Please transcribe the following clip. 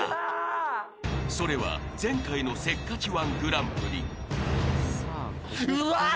［それは前回のせっかち−１グランプリ］うわ！